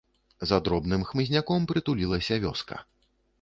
За дробным хмызняком прытулілася вёска.